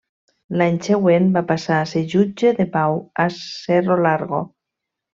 L'any següent va passar a ser jutge de Pau a Cerro Largo.